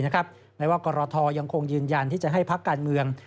แม้ว่ากรทยังคงยืนยันที่จะให้พักการเมือง